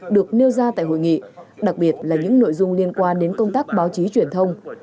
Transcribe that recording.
được nêu ra tại hội nghị đặc biệt là những nội dung liên quan đến công tác báo chí truyền thông